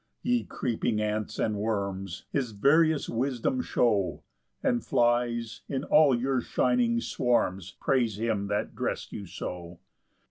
11 Ye creeping ants and worms, His various wisdom show, And flies, in all your shining swarms, Praise him that drest you so.